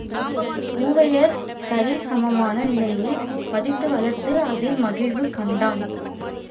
மூவரையும் சரி சமமான நிலையில் மதித்து வளர்த்து அதில் மகிழ்வு கண்டான்.